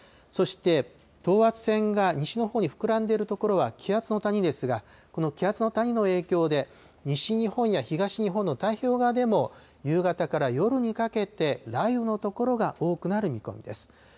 そして、等圧線が西のほうに膨らんでいる所は気圧の谷ですが、この気圧の谷の影響で、西日本や東日本の太平洋側でも、夕方から夜にかけて、雷雨の所が多くなる見込みです。